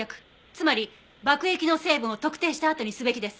つまり爆液の成分を特定したあとにすべきです。